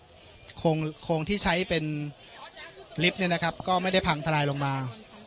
โครงที่ใช้เป็นลิฟต์เนี่ยนะครับก็ไม่ได้พังทลายลงมา